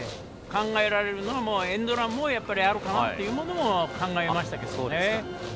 考えられるのはエンドランもあるかもというのは考えましたけどね。